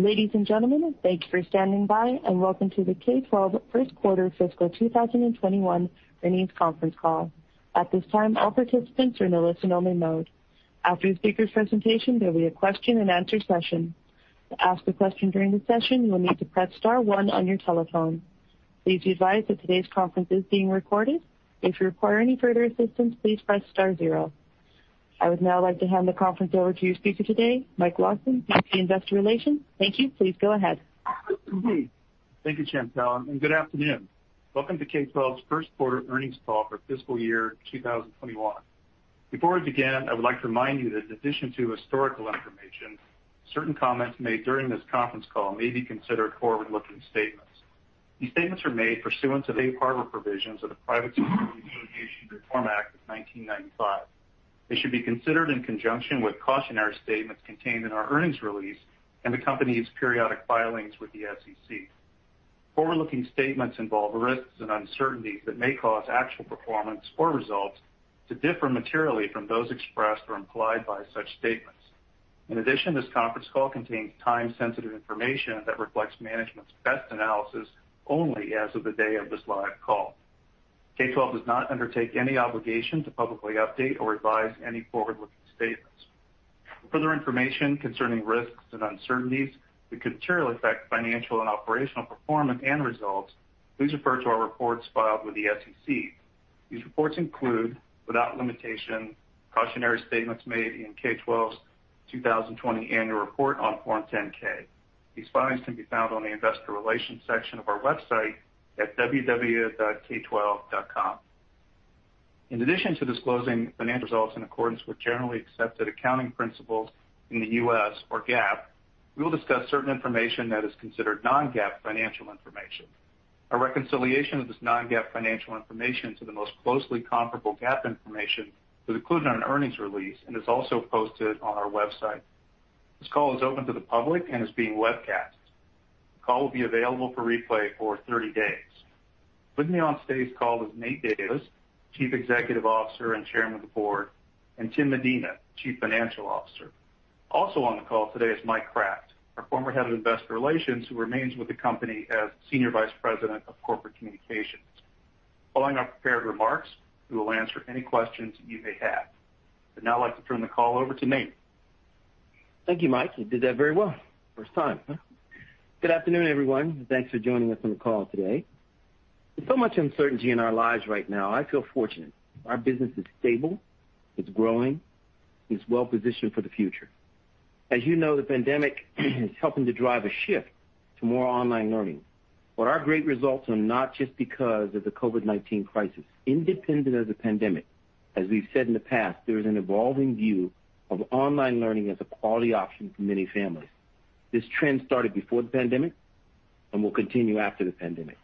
Ladies and gentlemen, thank you for standing by, and welcome to the K12 first quarter fiscal 2021 earnings conference call. At this time, all participants are in a listen-only mode. After the speaker's presentation, there will be a question-and-answer session. To ask a question during the session, you will need to press star one on your telephone. Please be advised that today's conference is being recorded. If you require any further assistance, please press star zero. I would now like to hand the conference over to your speaker today, Mike Lawson, VP of Investor Relations. Thank you. Please go ahead. Thank you, Chantelle, and good afternoon. Welcome to K12's first quarter earnings call for fiscal year 2021. Before we begin, I would like to remind you that in addition to historical information, certain comments made during this conference call may be considered forward-looking statements. These statements are made pursuant to the safe harbor provisions of the Private Securities Litigation Reform Act of 1995. They should be considered in conjunction with cautionary statements contained in our earnings release and the company's periodic filings with the SEC. Forward-looking statements involve risks and uncertainties that may cause actual performance or results to differ materially from those expressed or implied by such statements. In addition, this conference call contains time-sensitive information that reflects management's best analysis only as of the day of this live call. K12 does not undertake any obligation to publicly update or revise any forward-looking statements. For further information concerning risks and uncertainties that could materially affect financial and operational performance and results, please refer to our reports filed with the SEC. These reports include, without limitation, cautionary statements made in K12's 2020 annual report on Form 10-K. These filings can be found on the investor relations section of our website at www.k12.com. In addition to disclosing financial results in accordance with generally accepted accounting principles in the U.S., or GAAP, we will discuss certain information that is considered non-GAAP financial information. A reconciliation of this non-GAAP financial information to the most closely comparable GAAP information is included in our earnings release and is also posted on our website. This call is open to the public and is being webcast. The call will be available for replay for 30 days. With me on today's call is Nate Davis, Chief Executive Officer and Chairman of the Board, and Tim Medina, Chief Financial Officer. Also on the call today is Mike Kraft, our former head of Investor Relations, who remains with the company as Senior Vice President of Corporate Communications. Following our prepared remarks, we will answer any questions you may have. I'd now like to turn the call over to Nate. Thank you, Mike. You did that very well. First time, huh? Good afternoon, everyone, and thanks for joining us on the call today. There's so much uncertainty in our lives right now. I feel fortunate. Our business is stable, it's growing, it's well-positioned for the future. As you know, the pandemic is helping to drive a shift to more online learning. Our great results are not just because of the COVID-19 crisis. Independent of the pandemic, as we've said in the past, there is an evolving view of online learning as a quality option for many families. This trend started before the pandemic and will continue after the pandemic.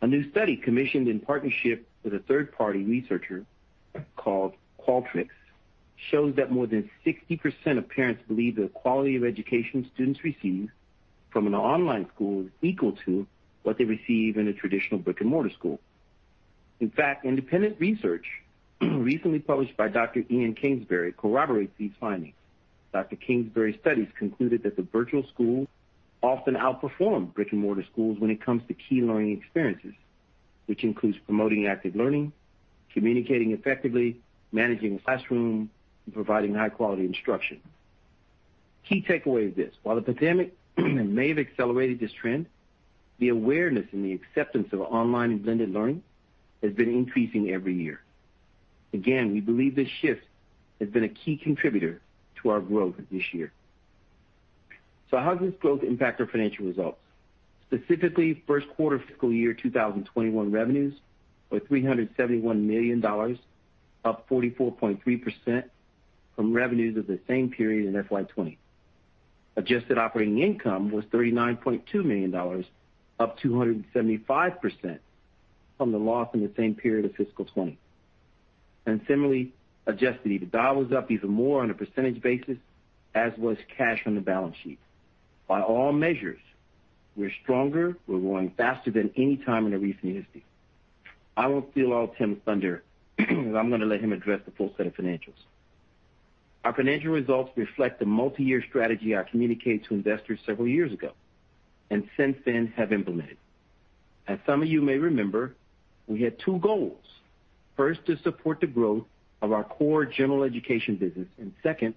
A new study commissioned in partnership with a third-party researcher called Qualtrics shows that more than 60% of parents believe the quality of education students receive from an online school is equal to what they receive in a traditional brick-and-mortar school. In fact, independent research, recently published by Dr. Ian Kingsbury, corroborates these findings. Dr. Kingsbury's studies concluded that the virtual school often outperformed brick-and-mortar schools when it comes to key learning experiences, which includes promoting active learning, communicating effectively, managing the classroom, and providing high-quality instruction. Key takeaway is this: While the pandemic may have accelerated this trend, the awareness and the acceptance of online and blended learning has been increasing every year. Again, we believe this shift has been a key contributor to our growth this year. How does this growth impact our financial results? Specifically, first quarter fiscal year 2021 revenues were $371 million, up 44.3% from revenues of the same period in FY 2020. Adjusted operating income was $39.2 million, up 275% from the loss in the same period of fiscal 2020. Similarly, adjusted EBITDA was up even more on a percentage basis, as was cash on the balance sheet. By all measures, we're stronger, we're growing faster than any time in our recent history. I won't steal all of Tim's thunder, as I'm going to let him address the full set of financials. Our financial results reflect the multi-year strategy I communicated to investors several years ago, and since then have implemented. As some of you may remember, we had two goals. First, to support the growth of our core General Education business. Second,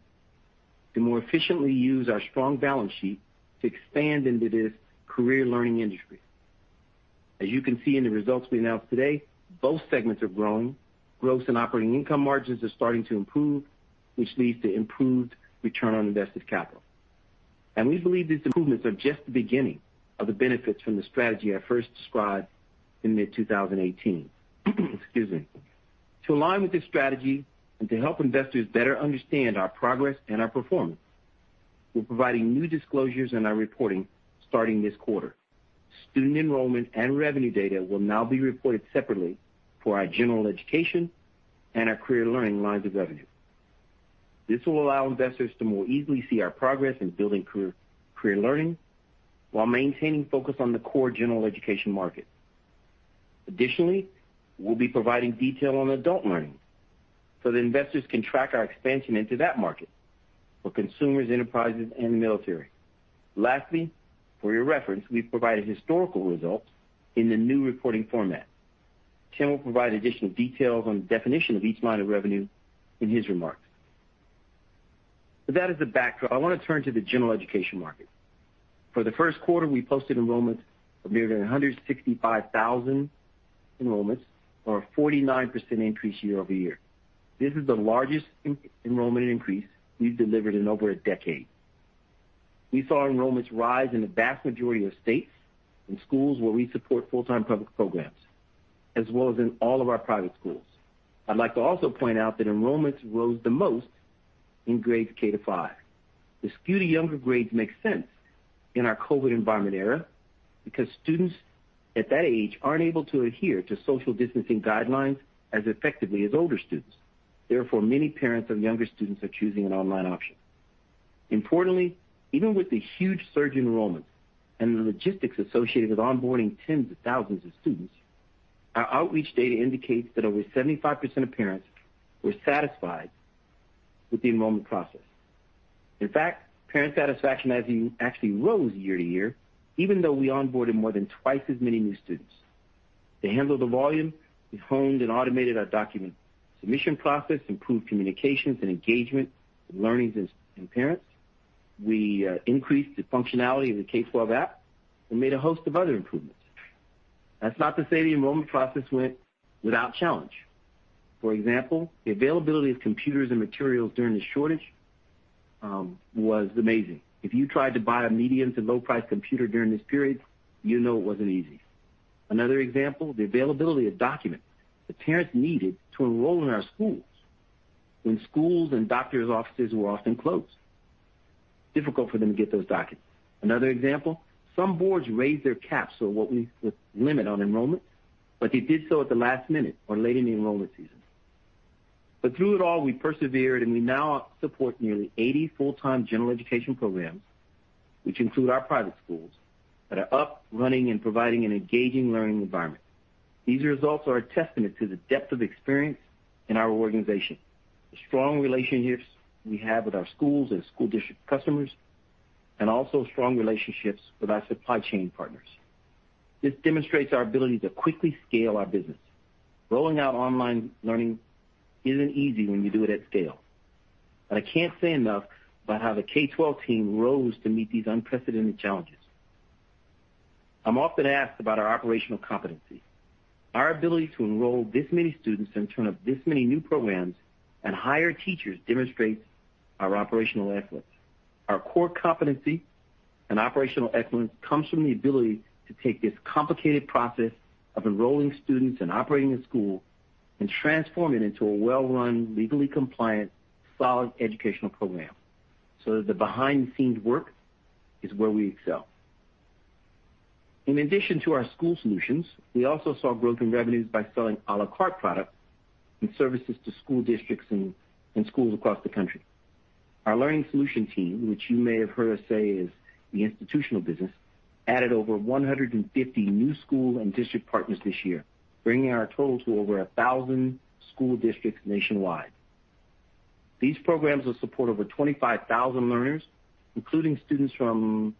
to more efficiently use our strong balance sheet to expand into this Career Learning industry. As you can see in the results we announced today, both segments are growing. Growth and operating income margins are starting to improve, which leads to improved return on invested capital. We believe these improvements are just the beginning of the benefits from the strategy I first described in mid-2018. To align with this strategy and to help investors better understand our progress and our performance, we're providing new disclosures in our reporting starting this quarter. Student enrollment and revenue data will now be reported separately for our General Education and our Career Learning lines of revenue. This will allow investors to more easily see our progress in building Career Learning while maintaining focus on the core General Education market. Additionally, we'll be providing detail on Adult Learning so that investors can track our expansion into that market for consumers, enterprises, and the military. Lastly, for your reference, we've provided historical results in the new reporting format. Tim will provide additional details on the definition of each line of revenue in his remarks. With that as the backdrop, I want to turn to the General Education market. For the first quarter, we posted enrollments of nearly 165,000 enrollments or a 49% increase year-over-year. This is the largest enrollment increase we've delivered in over a decade. We saw enrollments rise in the vast majority of states, in schools where we support full-time public programs, as well as in all of our private schools. I'd like to also point out that enrollments rose the most in grades K-5. The skew to younger grades makes sense in our COVID environment era because students at that age aren't able to adhere to social distancing guidelines as effectively as older students. Therefore, many parents of younger students are choosing an online option. Importantly, even with the huge surge in enrollments and the logistics associated with onboarding tens of thousands of students, our outreach data indicates that over 75% of parents were satisfied with the enrollment process. In fact, parent satisfaction actually rose year-over-year, even though we onboarded more than twice as many new students. They handled the volume. We honed and automated our document submission process, improved communications and engagement with learners and parents. We increased the functionality of the K12 app and made a host of other improvements. That's not to say the enrollment process went without challenge. For example, the availability of computers and materials during the shortage was amazing. If you tried to buy a medium to low price computer during this period, you know it wasn't easy. Another example, the availability of documents that parents needed to enroll in our schools when schools and doctors' offices were often closed. Difficult for them to get those documents. Another example, some boards raised their caps, so what we would limit on enrollments, but they did so at the last minute or late in the enrollment season. Through it all, we persevered, and we now support nearly 80 full-time General Education programs, which include our private schools that are up, running, and providing an engaging learning environment. These results are a testament to the depth of experience in our organization, the strong relationships we have with our schools and school district customers, and also strong relationships with our supply chain partners. This demonstrates our ability to quickly scale our business. Rolling out online learning isn't easy when you do it at scale. I can't say enough about how the K12 team rose to meet these unprecedented challenges. I'm often asked about our operational competency. Our ability to enroll this many students and turn up this many new programs and hire teachers demonstrates our operational excellence. Our core competency and operational excellence comes from the ability to take this complicated process of enrolling students and operating a school and transform it into a well-run, legally compliant, solid educational program so that the behind-the-scenes work is where we excel. In addition to our school solutions, we also saw growth in revenues by selling à la carte products and services to school districts and schools across the country. Our Learning Solution team, which you may have heard us say is the institutional business, added over 150 new school and district partners this year, bringing our total to over 1,000 school districts nationwide. These programs will support over 25,000 learners, including students from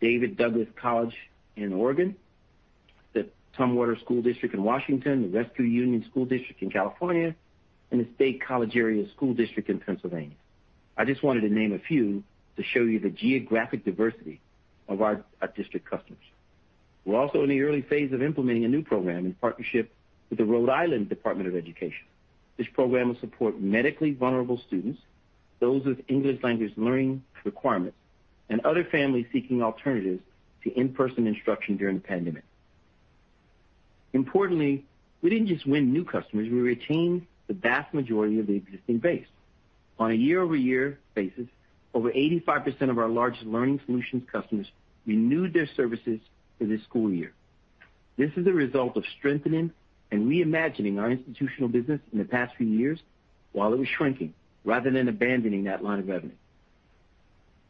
David Douglas College in Oregon, the Tumwater School District in Washington, the Rescue Union School District in California, and the State College Area School District in Pennsylvania. I just wanted to name a few to show you the geographic diversity of our district customers. We're also in the early phase of implementing a new program in partnership with the Rhode Island Department of Education. This program will support medically vulnerable students, those with English language learning requirements, and other families seeking alternatives to in-person instruction during the pandemic. Importantly, we didn't just win new customers. We retained the vast majority of the existing base. On a year-over-year basis, over 85% of our largest Learning Solutions customers renewed their services for this school year. This is a result of strengthening and reimagining our institutional business in the past few years while it was shrinking, rather than abandoning that line of revenue.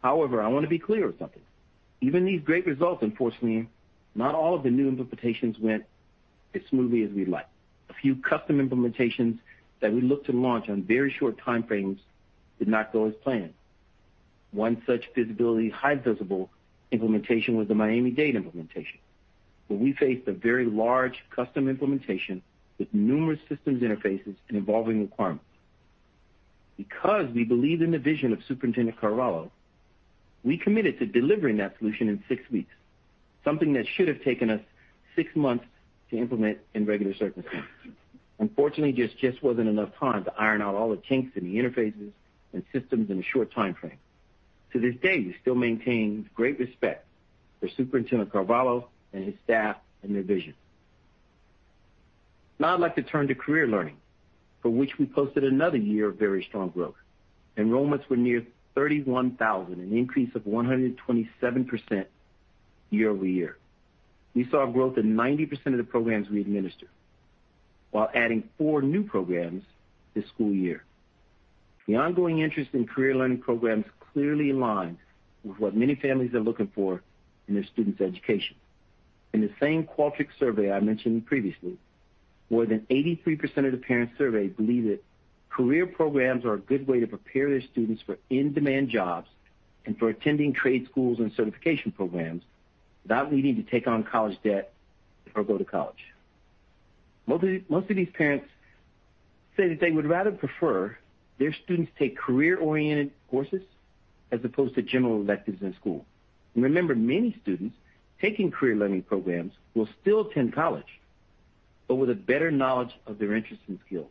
I want to be clear of something. Even these great results, unfortunately, not all of the new implementations went as smoothly as we'd like. A few custom implementations that we looked to launch on very short time frames did not go as planned. One such visibility, high-visible implementation was the Miami-Dade implementation, where we faced a very large custom implementation with numerous systems interfaces and evolving requirements. Because we believe in the vision of Superintendent Carvalho, we committed to delivering that solution in six weeks, something that should have taken us six months to implement in regular circumstances. There just wasn't enough time to iron out all the kinks in the interfaces and systems in a short time frame. To this day, we still maintain great respect for Superintendent Carvalho and his staff and their vision. Now I'd like to turn to Career Learning, for which we posted another year of very strong growth. Enrollments were near 31,000, an increase of 127% year-over-year. We saw growth in 90% of the programs we administer. While adding four new programs this school year. The ongoing interest in Career Learning programs clearly aligns with what many families are looking for in their student's education. In the same Qualtrics survey I mentioned previously, more than 83% of the parents surveyed believe that career programs are a good way to prepare their students for in-demand jobs and for attending trade schools and certification programs without needing to take on college debt or go to college. Most of these parents say that they would rather prefer their students take career-oriented courses as opposed to general electives in school. Remember, many students taking Career Learning programs will still attend college, but with a better knowledge of their interests and skills.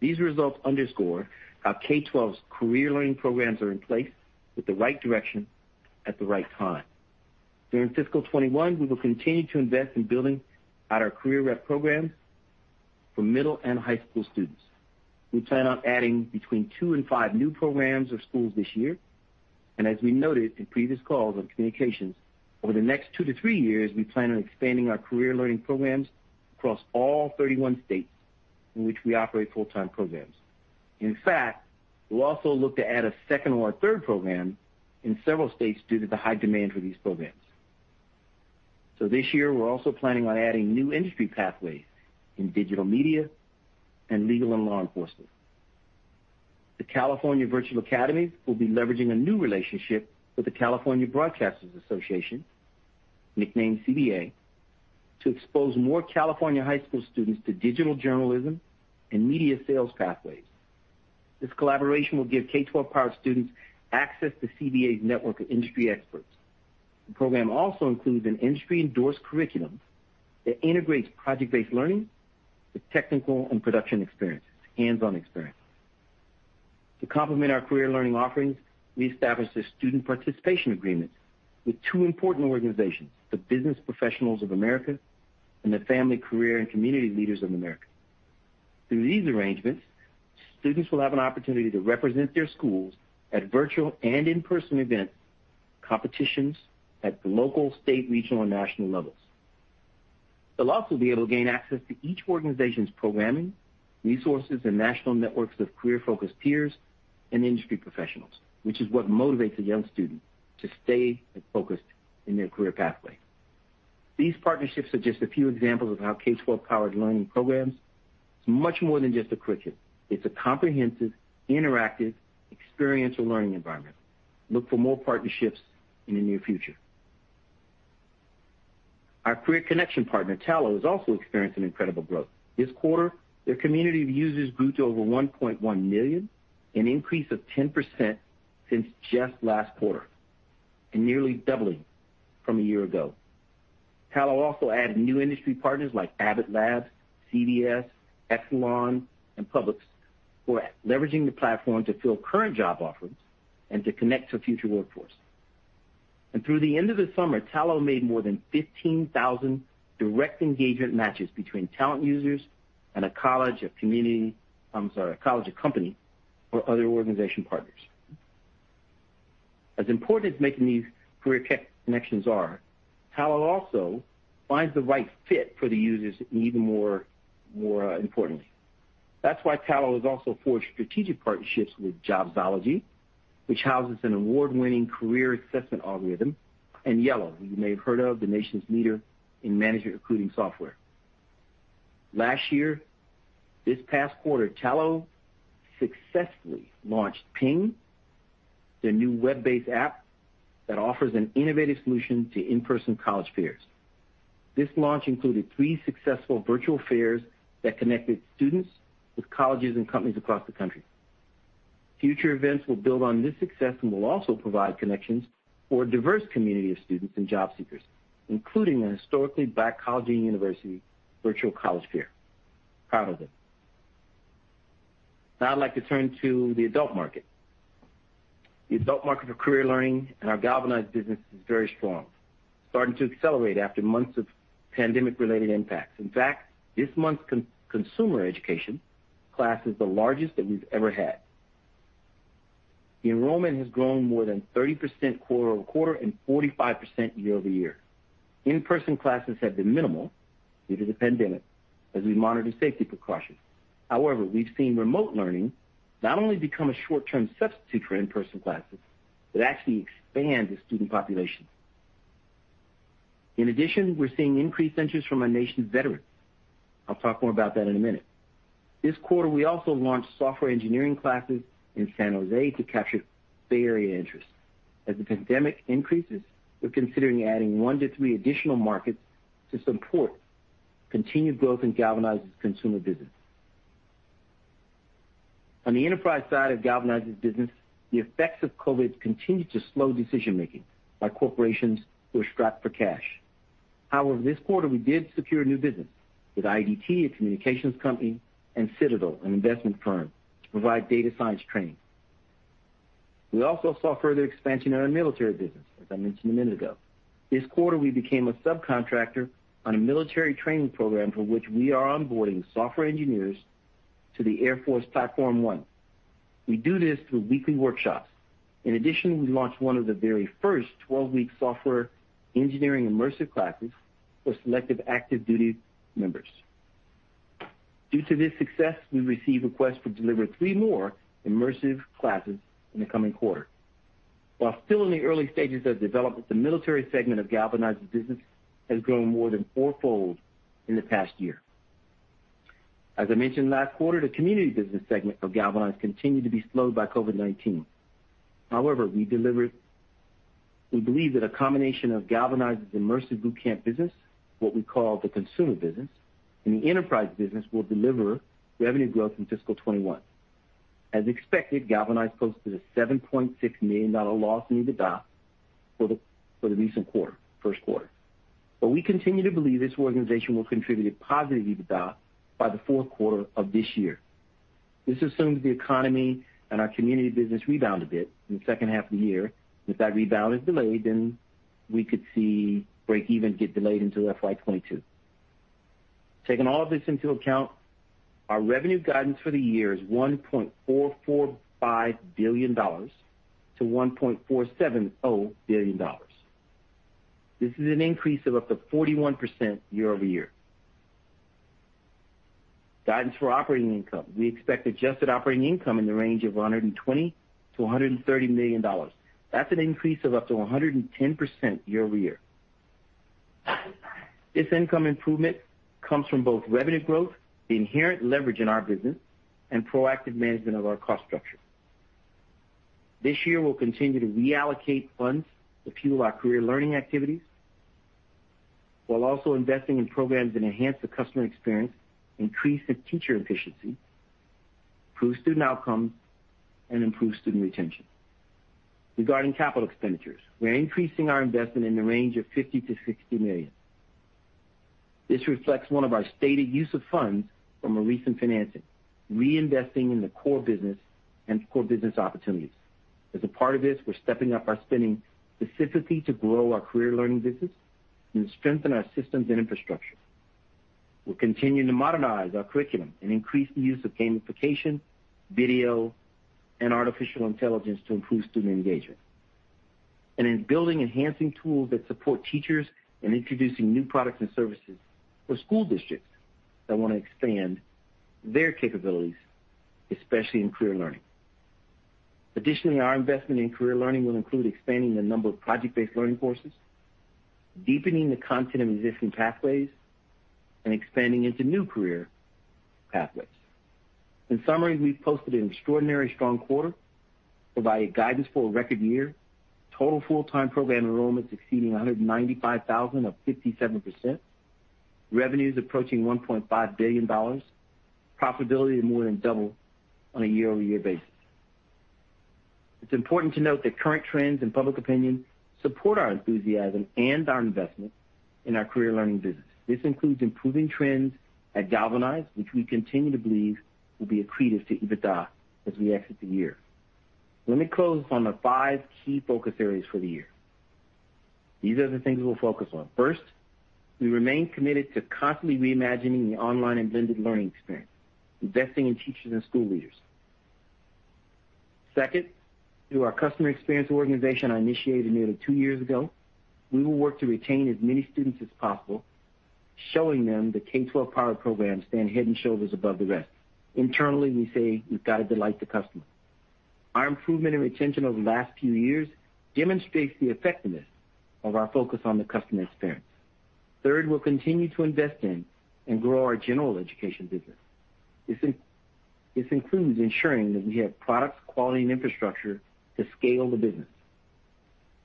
These results underscore how K12's Career Learning programs are in place with the right direction at the right time. During fiscal 2021, we will continue to invest in building out our Career Learning programs for middle and high school students. We plan on adding between two and five new programs or schools this year. As we noted in previous calls on communications, over the next two to three years, we plan on expanding our Career Learning programs across all 31 states in which we operate full-time programs. In fact, we'll also look to add a second or third program in several states due to the high demand for these programs. This year, we're also planning on adding new industry pathways in digital media and legal and law enforcement. The California Virtual Academy will be leveraging a new relationship with the California Broadcasters Association, nicknamed CBA, to expose more California high school students to digital journalism and media sales pathways. This collaboration will give K12 powered students access to CBA's network of industry experts. The program also includes an industry-endorsed curriculum that integrates project-based learning with technical and production experiences, hands-on experience. To complement our Career Learning offerings, we established a student participation agreement with two important organizations, the Business Professionals of America and the Family, Career and Community Leaders of America. Through these arrangements, students will have an opportunity to represent their schools at virtual and in-person events, competitions at the local, state, regional, and national levels. They'll also be able to gain access to each organization's programming, resources, and national networks of career-focused peers and industry professionals, which is what motivates a young student to stay focused in their career pathway. These partnerships are just a few examples of how K12 college learning programs is much more than just a curriculum. It's a comprehensive, interactive, experiential learning environment. Look for more partnerships in the near future. Our career connection partner, Tallo, is also experiencing incredible growth. This quarter, their community of users grew to over 1.1 million, an increase of 10% since just last quarter, and nearly doubling from a year ago. Tallo also added new industry partners like Abbott Labs, CVS, Exelon, and Publix, who are leveraging the platform to fill current job offerings and to connect to a future workforce. Through the end of the summer, Tallo made more than 15,000 direct engagement matches between Tallo users and a college, a company, or other organization partners. As important as making these career connections are, Tallo also finds the right fit for the users even more importantly. That's why Tallo has also forged strategic partnerships with jobZology, which houses an award-winning career assessment algorithm, and Yello, who you may have heard of, the nation's leader in manager recruiting software. Last year, this past quarter, Tallo successfully launched Ping, their new web-based app that offers an innovative solution to in-person college fairs. This launch included three successful virtual fairs that connected students with colleges and companies across the country. Future events will build on this success and will also provide connections for a diverse community of students and job seekers, including a Historically Black Colleges and Universities virtual college fair. Proud of them. Now I'd like to turn to the adult market. The adult market for career learning and our Galvanize business is very strong. Starting to accelerate after months of pandemic-related impacts. In fact, this month's consumer education class is the largest that we've ever had. The enrollment has grown more than 30% quarter-over-quarter and 45% year-over-year. In-person classes have been minimal due to the pandemic as we monitor safety precautions. However, we've seen remote learning not only become a short-term substitute for in-person classes, but actually expand the student population. In addition, we're seeing increased interest from our nation's veterans. I'll talk more about that in a minute. This quarter, we also launched software engineering classes in San Jose to capture Bay Area interest. As the pandemic increases, we're considering adding one to three additional markets to support continued growth in Galvanize's consumer business. However, this quarter, we did secure new business with IDT, a communications company, and Citadel, an investment firm, to provide data science training. We also saw further expansion in our military business, as I mentioned a minute ago. This quarter, we became a subcontractor on a military training program for which we are onboarding software engineers to the Air Force Platform One. We do this through weekly workshops. In addition, we launched one of the very first 12-week software engineering immersive classes for selective active duty members. Due to this success, we received requests for deliver three more immersive classes in the coming quarter. While still in the early stages of development, the military segment of Galvanize's business has grown more than fourfold in the past year. As I mentioned last quarter, the community business segment of Galvanize continued to be slowed by COVID-19. We believe that a combination of Galvanize's immersive boot camp business, what we call the consumer business, and the enterprise business, will deliver revenue growth in fiscal 2021. As expected, Galvanize posted a $7.6 million loss in EBITDA for the recent first quarter. We continue to believe this organization will contribute a positive EBITDA by the fourth quarter of this year. This assumes the economy and our community business rebound a bit in the second half of the year. If that rebound is delayed, then we could see breakeven get delayed into FY 2022. Taking all of this into account, our revenue guidance for the year is $1.445 billion-$1.470 billion. This is an increase of up to 41% year-over-year. Guidance for operating income, we expect adjusted operating income in the range of $120 million-$130 million. That's an increase of up to 110% year-over-year. This income improvement comes from both revenue growth, the inherent leverage in our business, and proactive management of our cost structure. This year, we'll continue to reallocate funds to fuel our Career Learning activities while also investing in programs that enhance the customer experience, increase the teacher efficiency, improve student outcomes, and improve student retention. Regarding capital expenditures, we're increasing our investment in the range of $50 million-$60 million. This reflects one of our stated use of funds from a recent financing, reinvesting in the core business and core business opportunities. As a part of this, we're stepping up our spending specifically to grow our Career Learning business and strengthen our systems and infrastructure. We're continuing to modernize our curriculum and increase the use of gamification, video, and artificial intelligence to improve student engagement. In building enhancing tools that support teachers and introducing new products and services for school districts that want to expand their capabilities, especially in Career Learning. Additionally, our investment in Career Learning will include expanding the number of project-based learning courses, deepening the content of existing pathways, and expanding into new career pathways. In summary, we've posted an extraordinarily strong quarter, provided guidance for a record year, total full-time program enrollments exceeding 195,000 of 57%, revenues approaching $1.5 billion, profitability more than double on a year-over-year basis. It's important to note that current trends in public opinion support our enthusiasm and our investment in our Career Learning business. This includes improving trends at Galvanize, which we continue to believe will be accretive to EBITDA as we exit the year. Let me close on the five key focus areas for the year. These are the things we'll focus on. First, we remain committed to constantly reimagining the online and blended learning experience, investing in teachers and school leaders. Second, through our customer experience organization I initiated nearly two years ago, we will work to retain as many students as possible, showing them that K12-powered programs stand head and shoulders above the rest. Internally, we say, "We've got to delight the customer." Our improvement in retention over the last few years demonstrates the effectiveness of our focus on the customer experience. Third, we'll continue to invest in and grow our General Education business. This includes ensuring that we have products, quality, and infrastructure to scale the business.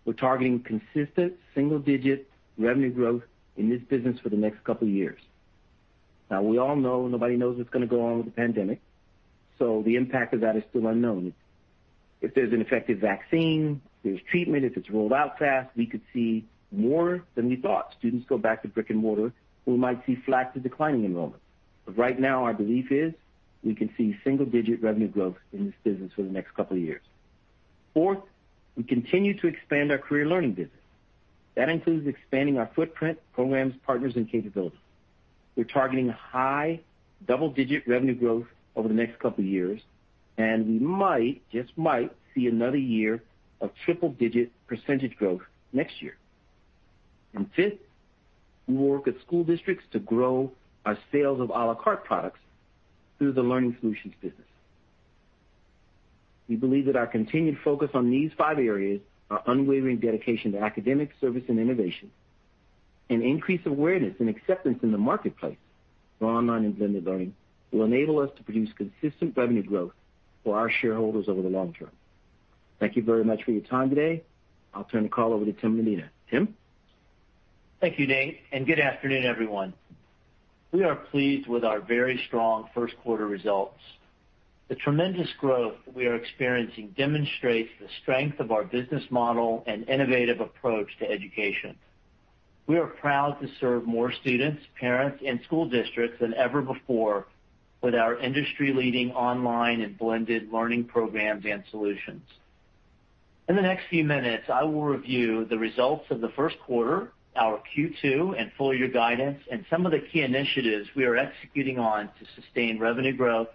We're targeting consistent single-digit revenue growth in this business for the next couple of years. Now, we all know nobody knows what's going to go on with the pandemic, so the impact of that is still unknown. If there's an effective vaccine, there's treatment, if it's rolled out fast, we could see more than we thought. Students go back to brick and mortar. We might see flat to declining enrollment. Right now, our belief is we can see single-digit revenue growth in this business for the next couple of years. Fourth, we continue to expand our Career Learning business. That includes expanding our footprint, programs, partners, and capabilities. We're targeting high double-digit revenue growth over the next couple of years, and we might, just might, see another year of triple-digit percentage growth next year. Fifth, we work with school districts to grow our sales of à la carte products through the learning solutions business. We believe that our continued focus on these five areas, our unwavering dedication to academic service and innovation, and increased awareness and acceptance in the marketplace for online and blended learning will enable us to produce consistent revenue growth for our shareholders over the long term. Thank you very much for your time today. I'll turn the call over to Tim Medina. Tim? Thank you, Nate, and good afternoon, everyone. We are pleased with our very strong first quarter results. The tremendous growth we are experiencing demonstrates the strength of our business model and innovative approach to education. We are proud to serve more students, parents, and school districts than ever before with our industry-leading online and blended learning programs and solutions. In the next few minutes, I will review the results of the first quarter, our Q2, and full year guidance, and some of the key initiatives we are executing on to sustain revenue growth,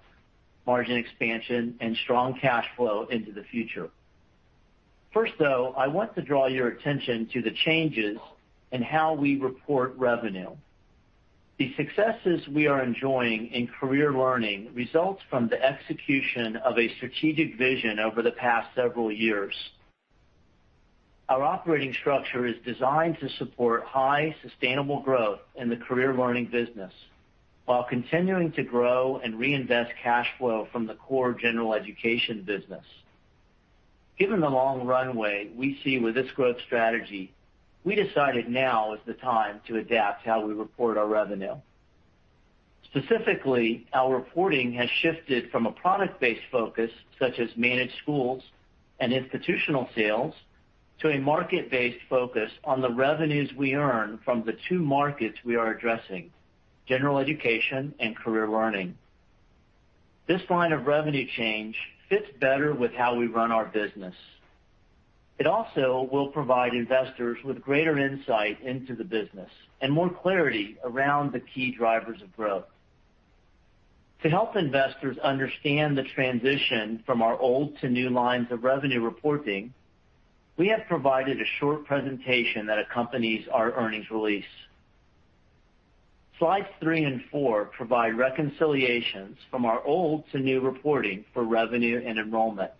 margin expansion, and strong cash flow into the future. First, though, I want to draw your attention to the changes in how we report revenue. The successes we are enjoying in Career Learning results from the execution of a strategic vision over the past several years. Our operating structure is designed to support high sustainable growth in the Career Learning business while continuing to grow and reinvest cash flow from the core General Education business. Given the long runway we see with this growth strategy, we decided now is the time to adapt how we report our revenue. Specifically, our reporting has shifted from a product-based focus, such as managed schools and institutional sales, to a market-based focus on the revenues we earn from the two markets we are addressing: General Education and Career Learning. This line of revenue change fits better with how we run our business. It also will provide investors with greater insight into the business and more clarity around the key drivers of growth. To help investors understand the transition from our old to new lines of revenue reporting, we have provided a short presentation that accompanies our earnings release. Slides three and four provide reconciliations from our old to new reporting for revenue and enrollments.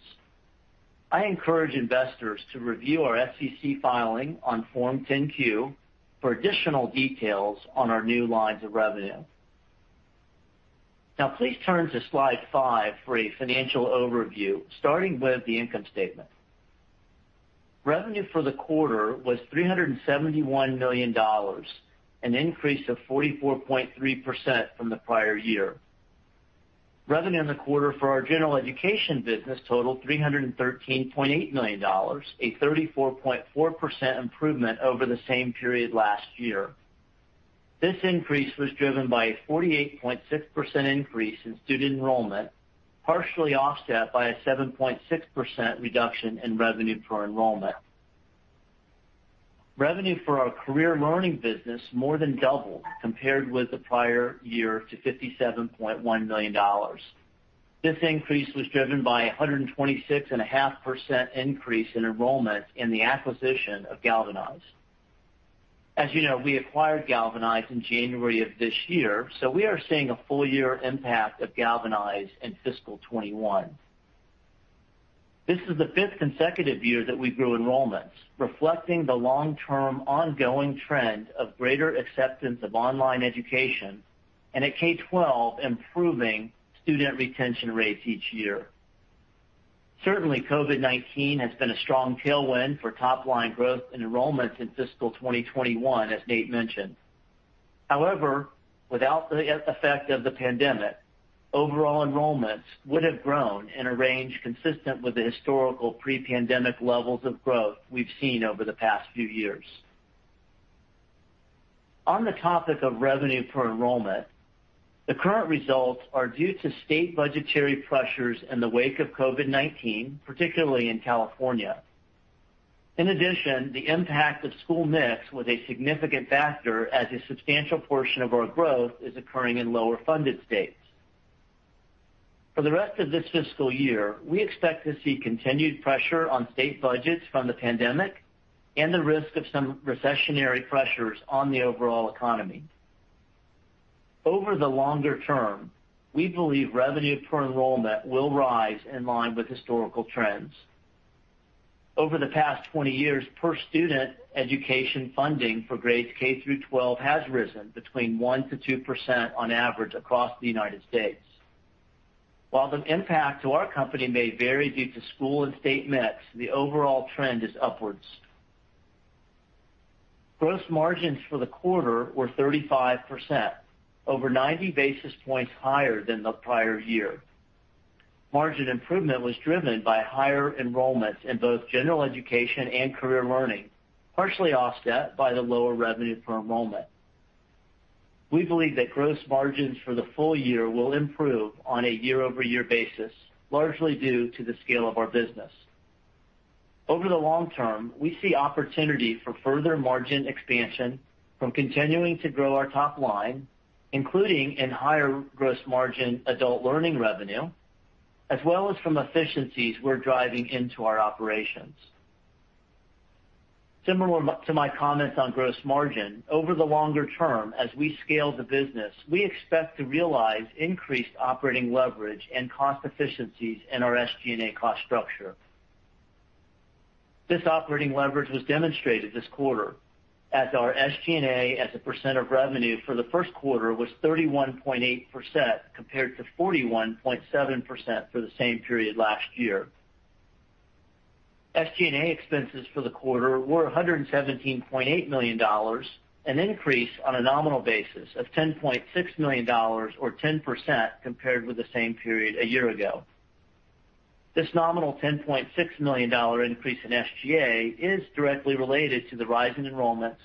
I encourage investors to review our SEC filing on Form 10-Q for additional details on our new lines of revenue. Now please turn to slide five for a financial overview, starting with the income statement. Revenue for the quarter was $371 million, an increase of 44.3% from the prior year. Revenue in the quarter for our General Education business totaled $313.8 million, a 34.4% improvement over the same period last year. This increase was driven by a 48.6% increase in student enrollment, partially offset by a 7.6% reduction in revenue per enrollment. Revenue for our Career Learning business more than doubled compared with the prior year to $57.1 million. This increase was driven by 126.5% increase in enrollment in the acquisition of Galvanize. As you know, we acquired Galvanize in January of this year, so we are seeing a full year impact of Galvanize in fiscal 2021. This is the fifth consecutive year that we grew enrollments, reflecting the long-term ongoing trend of greater acceptance of online education, and at K12, improving student retention rates each year. Certainly, COVID-19 has been a strong tailwind for top-line growth and enrollments in fiscal 2021, as Nate mentioned. However, without the effect of the pandemic, overall enrollments would have grown in a range consistent with the historical pre-pandemic levels of growth we've seen over the past few years. On the topic of revenue per enrollment, the current results are due to state budgetary pressures in the wake of COVID-19, particularly in California. In addition, the impact of school mix was a significant factor as a substantial portion of our growth is occurring in lower funded states. For the rest of this fiscal year, we expect to see continued pressure on state budgets from the pandemic and the risk of some recessionary pressures on the overall economy. Over the longer term, we believe revenue per enrollment will rise in line with historical trends. Over the past 20 years, per student education funding for grades K through 12 has risen between 1%-2% on average across the United States. While the impact to our company may vary due to school and state mix, the overall trend is upwards. Gross margins for the quarter were 35%, over 90 basis points higher than the prior year. Margin improvement was driven by higher enrollments in both General Education and Career Learning, partially offset by the lower revenue per enrollment. We believe that gross margins for the full year will improve on a year-over-year basis, largely due to the scale of our business. Over the long term, we see opportunity for further margin expansion from continuing to grow our top line, including in higher gross margin Adult Learning revenue, as well as from efficiencies we're driving into our operations. Similar to my comments on gross margin, over the longer term, as we scale the business, we expect to realize increased operating leverage and cost efficiencies in our SG&A cost structure. This operating leverage was demonstrated this quarter as our SG&A as a percent of revenue for the first quarter was 31.8% compared to 41.7% for the same period last year. SG&A expenses for the quarter were $117.8 million, an increase on a nominal basis of $10.6 million or 10% compared with the same period a year ago. This nominal $10.6 million increase in SG&A is directly related to the rise in enrollments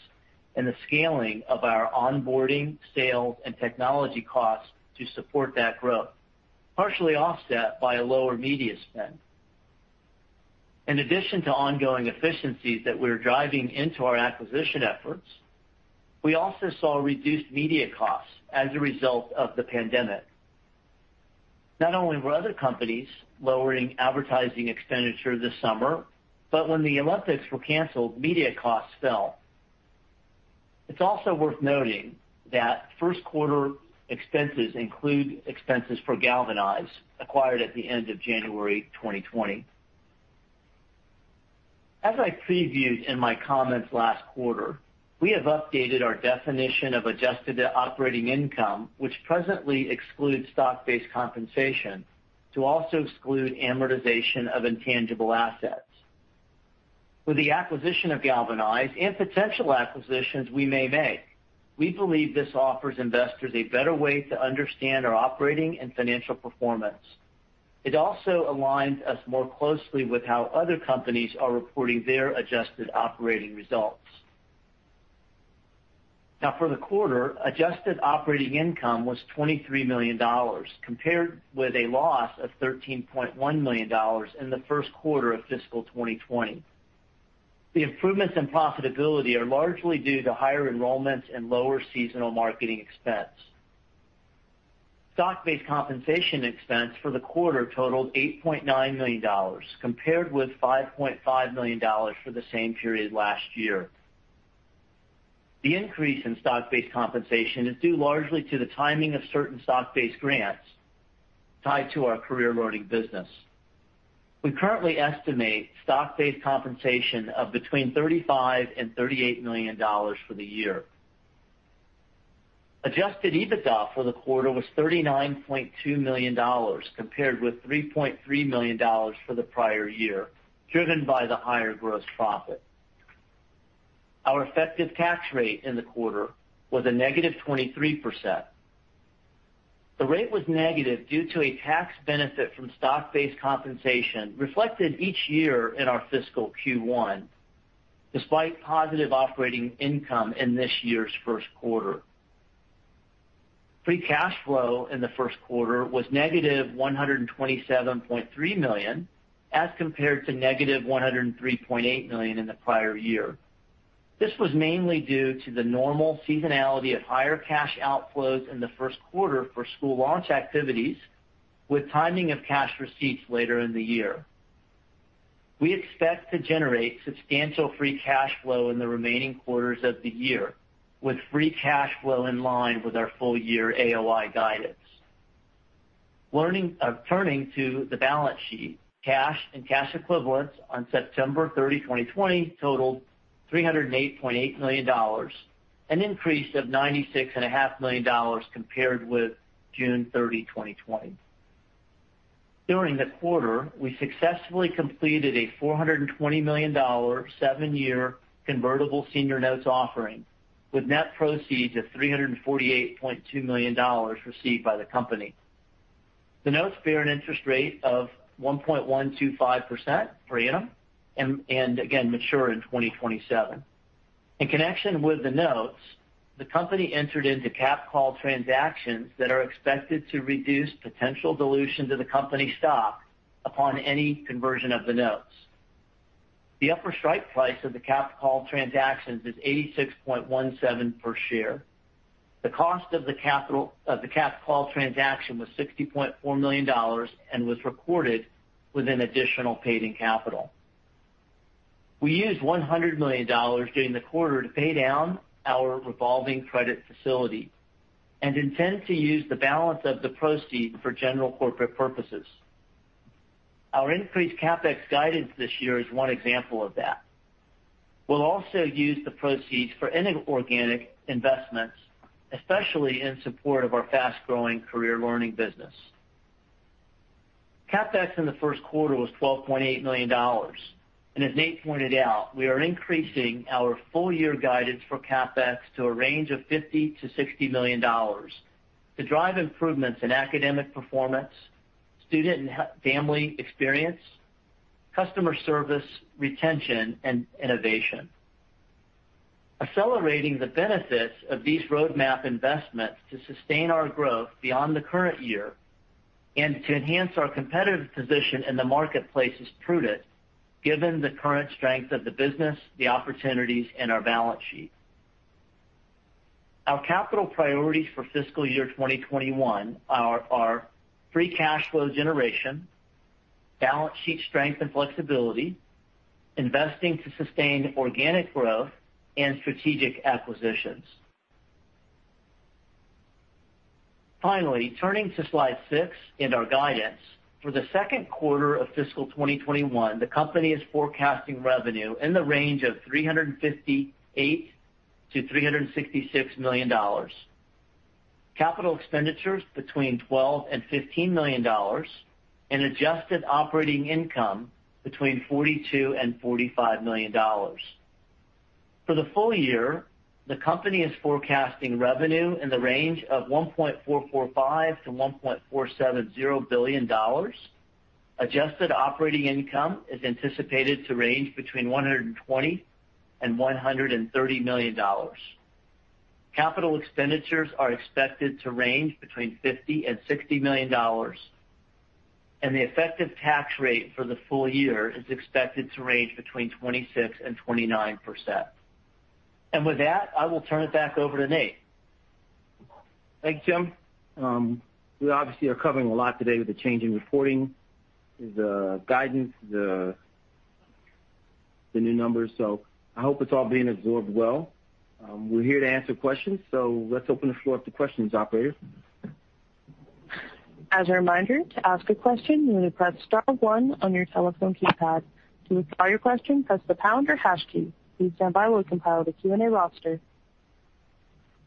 and the scaling of our onboarding, sales, and technology costs to support that growth. Partially offset by a lower media spend. In addition to ongoing efficiencies that we're driving into our acquisition efforts, we also saw reduced media costs as a result of the pandemic. Not only were other companies lowering advertising expenditure this summer, but when the Olympics were canceled, media costs fell. It's also worth noting that first quarter expenses include expenses for Galvanize, acquired at the end of January 2020. As I previewed in my comments last quarter, we have updated our definition of adjusted operating income, which presently excludes stock-based compensation, to also exclude amortization of intangible assets. With the acquisition of Galvanize and potential acquisitions we may make, we believe this offers investors a better way to understand our operating and financial performance. It also aligns us more closely with how other companies are reporting their adjusted operating results. For the quarter, adjusted operating income was $23 million, compared with a loss of $13.1 million in the first quarter of fiscal 2020. The improvements in profitability are largely due to higher enrollments and lower seasonal marketing expense. Stock-based compensation expense for the quarter totaled $8.9 million, compared with $5.5 million for the same period last year. The increase in stock-based compensation is due largely to the timing of certain stock-based grants tied to our Career Learning business. We currently estimate stock-based compensation of between $35 and $38 million for the year. Adjusted EBITDA for the quarter was $39.2 million, compared with $3.3 million for the prior year, driven by the higher gross profit. Our effective tax rate in the quarter was a -23%. The rate was negative due to a tax benefit from stock-based compensation reflected each year in our fiscal Q1, despite positive operating income in this year's first quarter. Free cash flow in the first quarter was -$127.3 million, as compared to -$103.8 million in the prior year. This was mainly due to the normal seasonality of higher cash outflows in the first quarter for school launch activities, with timing of cash receipts later in the year. We expect to generate substantial free cash flow in the remaining quarters of the year, with free cash flow in line with our full-year AOI guidance. Turning to the balance sheet, cash and cash equivalents on September 30, 2020, totaled $308.8 million, an increase of $96.5 million compared with June 30, 2020. During the quarter, we successfully completed a $420 million seven-year convertible senior notes offering, with net proceeds of $348.2 million received by the company. The notes bear an interest rate of 1.125% per annum, and again, mature in 2027. In connection with the notes, the company entered into capped call transactions that are expected to reduce potential dilution to the company stock upon any conversion of the notes. The upper strike price of the capped call transactions is $86.17 per share. The cost of the capped call transaction was $60.4 million and was recorded with an additional paid-in capital. We used $100 million during the quarter to pay down our revolving credit facility and intend to use the balance of the proceeds for general corporate purposes. Our increased CapEx guidance this year is one example of that. We will also use the proceeds for inorganic investments, especially in support of our fast-growing Career Learning business. CapEx in the first quarter was $12.8 million. As Nate pointed out, we are increasing our full-year guidance for CapEx to a range of $50 million-$60 million to drive improvements in academic performance, student and family experience, customer service, retention, and innovation. Accelerating the benefits of these roadmap investments to sustain our growth beyond the current year and to enhance our competitive position in the marketplace is prudent given the current strength of the business, the opportunities and our balance sheet. Our capital priorities for fiscal year 2021 are free cash flow generation, balance sheet strength and flexibility, investing to sustain organic growth, and strategic acquisitions. Turning to slide six and our guidance. For the second quarter of fiscal 2021, the company is forecasting revenue in the range of $358 million-$366 million. Capital expenditures between $12 million-$15 million, and adjusted operating income between $42 million-$45 million. For the full year, the company is forecasting revenue in the range of $1.445 billion-$1.470 billion. Adjusted operating income is anticipated to range between $120 million and $130 million. Capital expenditures are expected to range between $50 million and $60 million, and the effective tax rate for the full year is expected to range between 26%-29%. With that, I will turn it back over to Nate. Thank you, Tim. We obviously are covering a lot today with the change in reporting, the guidance, the new numbers. I hope it's all being absorbed well. We're here to answer questions, so let's open the floor up to questions, operator. As a reminder, to ask a question you may press star one on your telephone keypad. To withdraw your question press the pound or hash key. A moment as we compile the Q&A roster.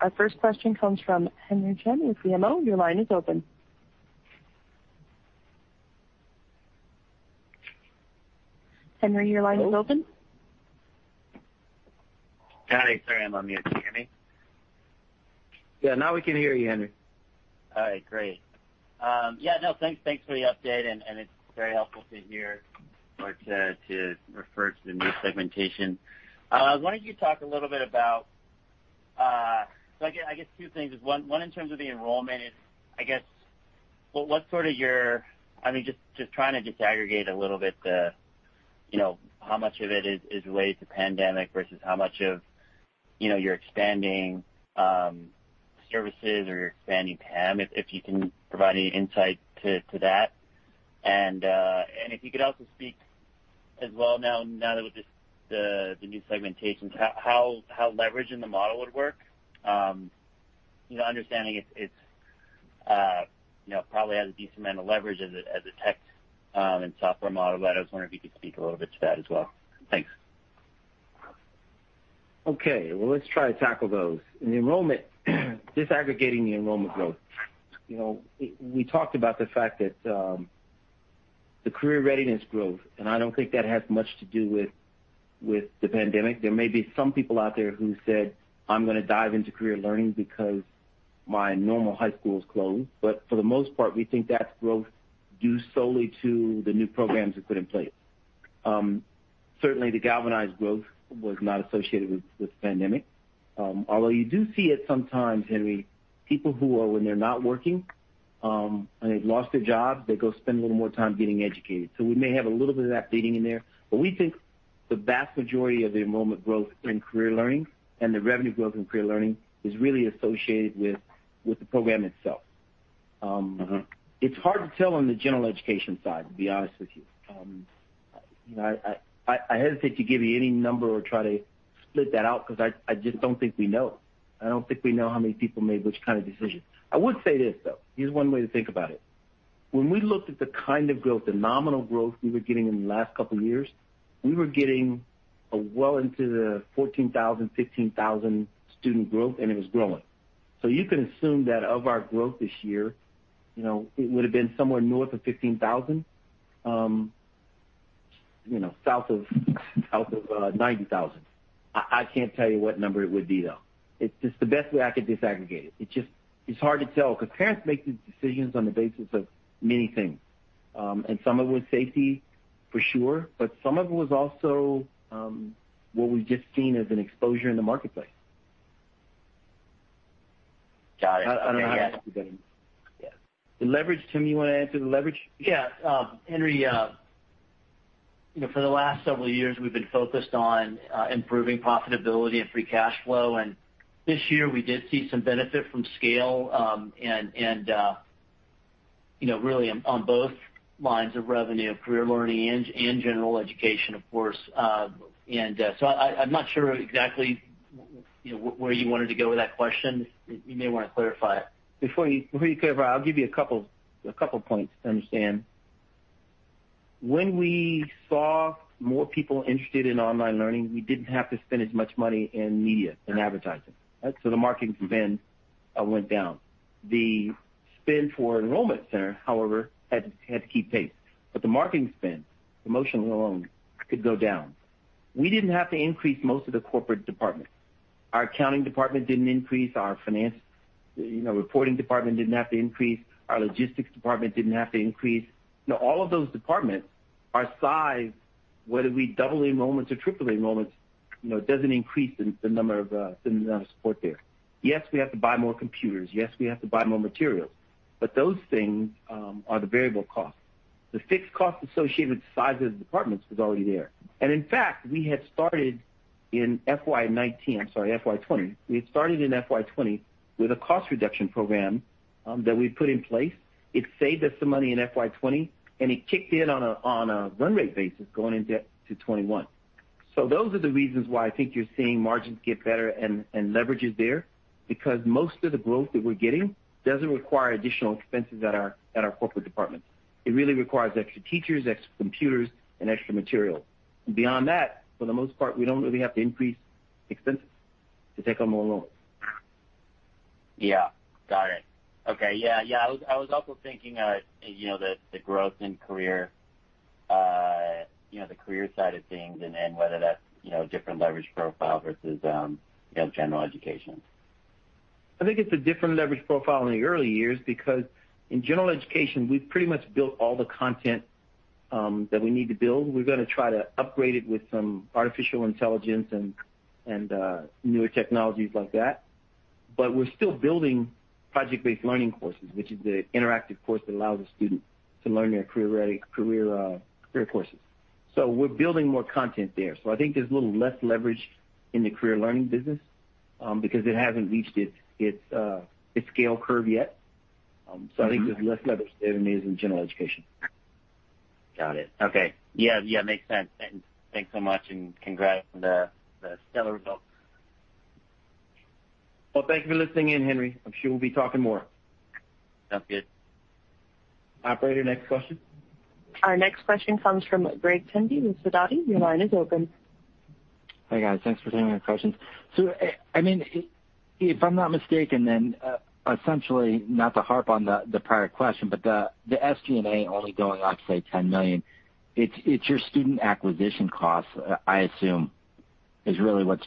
Our first question comes from Henry Chien with BMO. Your line is open. Henry, your line is open. Hi, sorry, I'm on mute. Can you hear me? Yeah, now we can hear you, Henry. All right, great. Yeah, no, thanks for the update, and it's very helpful to hear or to refer to the new segmentation. I was wondering if you could talk a little bit about, I guess, two things is one, in terms of the enrollment is, just trying to disaggregate a little bit the how much of it is related to pandemic versus how much of your expanding services or your expanding TAM, if you can provide any insight to that. If you could also speak as well now that with just the new segmentations, how leverage in the model would work. Understanding it probably has a decent amount of leverage as a tech and software model, but I was wondering if you could speak a little bit to that as well. Thanks. Okay. Well, let's try to tackle those. In enrollment, disaggregating the enrollment growth. We talked about the fact that the career readiness growth, I don't think that has much to do with the pandemic. There may be some people out there who said, "I'm going to dive into career learning because my normal high school is closed." For the most part, we think that's growth due solely to the new programs we put in place. Certainly, the Galvanize growth was not associated with the pandemic. Although you do see it sometimes, Henry, people who are, when they're not working, and they've lost their job, they go spend a little more time getting educated. We may have a little bit of that bleeding in there, but we think the vast majority of the enrollment growth in Career Learning and the revenue growth in Career Learning is really associated with the program itself. It's hard to tell on the General Education side, to be honest with you. I hesitate to give you any number or try to split that out because I just don't think we know. I don't think we know how many people made which kind of decision. I would say this, though. Here's one way to think about it. When we looked at the kind of growth, the nominal growth we were getting in the last couple of years, we were getting well into the 14,000, 15,000 student growth, and it was growing. You could assume that of our growth this year, it would've been somewhere north of 15,000, south of 90,000. I can't tell you what number it would be, though. It's just the best way I could disaggregate it. It's hard to tell because parents make these decisions on the basis of many things. Some of it was safety, for sure, but some of it was also what we've just seen as an exposure in the marketplace. Got it. Okay. Yeah. I don't know how else to put it. Yeah. The leverage, Tim, you want to answer the leverage piece? Yeah. Henry, for the last several years, we've been focused on improving profitability and free cash flow. This year, we did see some benefit from scale, and really on both lines of revenue, Career Learning and General Education, of course. I'm not sure exactly where you wanted to go with that question. You may want to clarify it. Before you clarify, I'll give you a couple points to understand. When we saw more people interested in online learning, we didn't have to spend as much money in media and advertising, right? The marketing spend went down. The spend for enrollment center, however, had to keep pace. The marketing spend, promotional alone, could go down. We didn't have to increase most of the corporate departments. Our accounting department didn't increase. Our finance reporting department didn't have to increase. Our logistics department didn't have to increase. All of those departments are sized, whether we double enrollments or triple enrollments, it doesn't increase the amount of support there. Yes, we have to buy more computers. Yes, we have to buy more materials. Those things are the variable costs. The fixed cost associated with the size of the departments was already there. In fact, we had started in FY 2019, I'm sorry, FY 2020. We had started in FY 2020 with a cost reduction program that we put in place. It saved us some money in FY 2020, and it kicked in on a run rate basis going into 2021. Those are the reasons why I think you're seeing margins get better and leverage is there, because most of the growth that we're getting doesn't require additional expenses at our corporate departments. It really requires extra teachers, extra computers, and extra material. Beyond that, for the most part, we don't really have to increase expenses to take on more loans. Yeah. Got it. Okay. Yeah. I was also thinking the growth in the Career Learning side of things, and then whether that's different leverage profile versus General Education. I think it's a different leverage profile in the early years because in General Education, we've pretty much built all the content that we need to build. We're going to try to upgrade it with some artificial intelligence and newer technologies like that. We're still building project-based learning courses, which is the interactive course that allows a student to learn their career courses. We're building more content there. I think there's a little less leverage in the Career Learning business because it hasn't reached its scale curve yet. I think there's less leverage there than there is in General Education. Got it. Okay. Yeah. Makes sense. Thanks so much, and congrats on the stellar results. Well, thank you for listening in, Henry. I'm sure we'll be talking more. Sounds good. Operator, next question. Our next question comes from Greg Pendy with Sidoti. Your line is open. Hi, guys. Thanks for taking my questions. If I'm not mistaken, then, essentially, not to harp on the prior question, but the SG&A only going up, say, $10 million, it's your student acquisition costs, I assume, are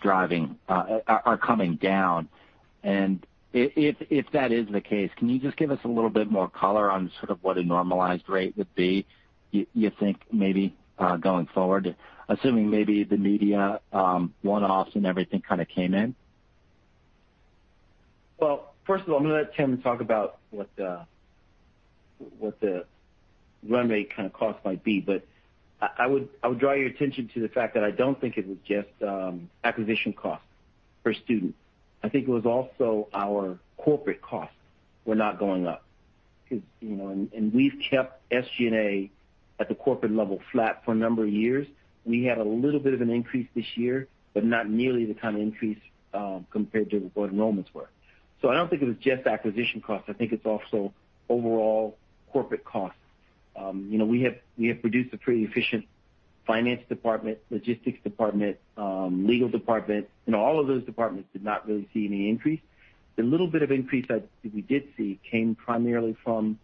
coming down. If that is the case, can you just give us a little bit more color on sort of what a normalized rate would be, you think maybe, going forward? Assuming maybe the media one-offs and everything kind of came in? First of all, I'm going to let Tim talk about what the run rate kind of cost might be. I would draw your attention to the fact that I don't think it was just acquisition costs for students. I think it was also our corporate costs were not going up. We've kept SG&A at the corporate level flat for a number of years. We had a little bit of an increase this year, but not nearly the kind of increase compared to what enrollments were. I don't think it was just acquisition costs. I think it's also overall corporate costs. We have produced a pretty efficient finance department, logistics department, legal department. All of those departments did not really see any increase. The little bit of increase that we did see came primarily from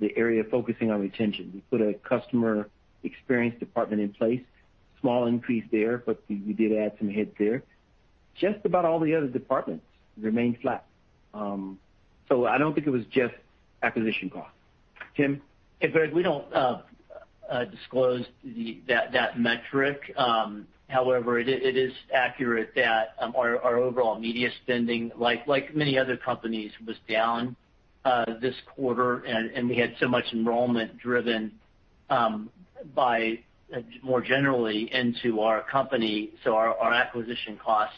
the area focusing on retention. We put a customer experience department in place. Small increase there, but we did add some heads there. Just about all the other departments remained flat. I don't think it was just acquisition costs. Tim? Hey, Greg. We don't disclose that metric. However, it is accurate that our overall media spending, like many other companies, was down this quarter, and we had so much enrollment driven by more generally into our company. Our acquisition costs,